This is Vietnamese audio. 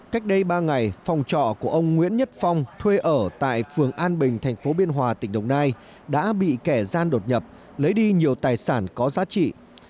cách đây ba ngày phòng trọ của ông nguyễn nhất phong thuê ở tại phường an bình thành phố biên hòa tỉnh đồng nai đã bị kẻ gian đột nhập lấy đi nhiều tài sản có giá trị